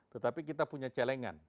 tetapi kita punya celengan